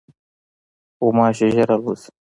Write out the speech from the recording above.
غوماشې ژر الوزي.